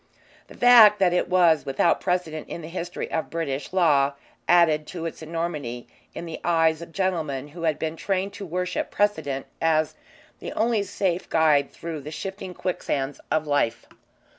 The fact that it was without precedent in the history of British law added to its enormity in the eyes of gentlemen who had been trained to worship precedent as the only safe guide through the shifting quicksands of life.